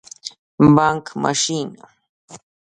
🏧 بانګ ماشین